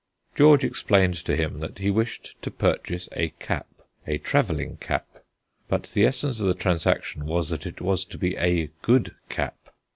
George explained to him that he wished to purchase a cap, a travelling cap, but the essence of the transaction was that it was to be a "good cap."